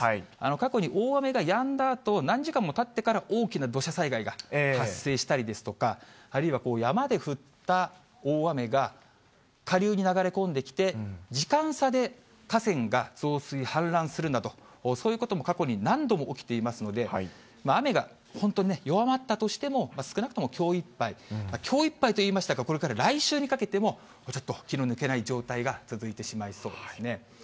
過去に大雨がやんだあと、何時間もたってから大きな土砂災害が発生したりですとか、あるいは山で降った大雨が、下流に流れ込んできて、時間差で河川が増水、氾濫するなど、そういうことも過去に何度も起きていますので、雨が本当にね、弱まったとしても、少なくともきょういっぱい、きょういっぱいと言いましたが、これから来週にかけても、ちょっと気の抜けない状態が続いてしまいそうですね。